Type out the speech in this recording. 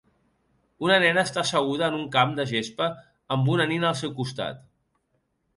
Una nena està asseguda en un camp de gespa amb una nina al seu costat.